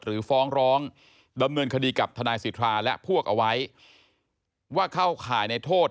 ฟ้องร้องดำเนินคดีกับทนายสิทธาและพวกเอาไว้ว่าเข้าข่ายในโทษ